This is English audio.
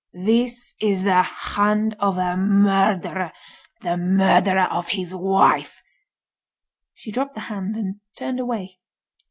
"This is the hand of a murderer—the murderer of his wife!" She dropped the hand and turned away.